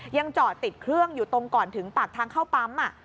ยังจอดติดเครื่องอยู่ตรงก่อนถึงปากทางเข้าปั๊ม